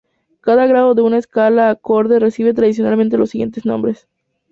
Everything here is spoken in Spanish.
Cada grado de una escala o acorde recibe tradicionalmente los siguientes nombres.